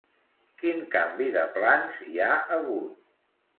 Quin canvi de plans hi ha hagut?